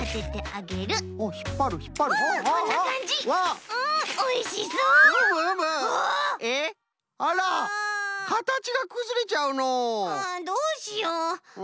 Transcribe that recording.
ああどうしよう。